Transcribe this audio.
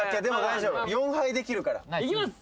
４敗できるからいきます